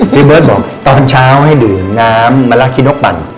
พี่เบิร์ตบอกตอนเช้าให้ดื่มน้ำมะละขี้นกปั่น